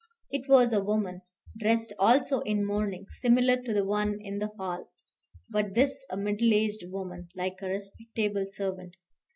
It was a woman, dressed also in mourning similar to the one in the hall; but this a middle aged woman, like a respectable servant.